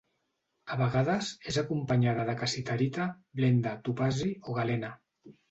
A vegades és acompanyada de cassiterita, blenda, topazi o galena.